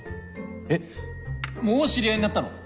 えっもう知り合いになったの！？